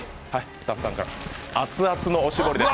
スタッフさんから、アツアツのおしぼりです。